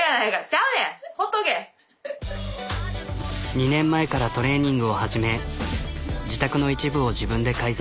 ２年前からトレーニングを始め自宅の一部を自分で改造。